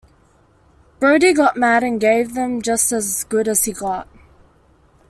Brodie got mad and gave them just as good as he got.